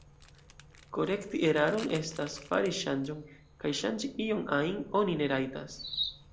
Korekti eraron estas fari ŝanĝon, kaj ŝanĝi ion ajn oni ne rajtas.